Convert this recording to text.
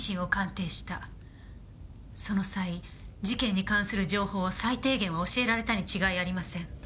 その際事件に関する情報を最低限は教えられたに違いありません。